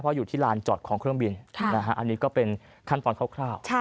เพราะอยู่ที่ลานจอดของเครื่องบินอันนี้ก็เป็นขั้นตอนคร่าว